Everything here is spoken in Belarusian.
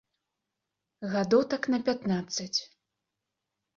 Гадоў так на пятнаццаць.